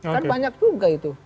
kan banyak juga itu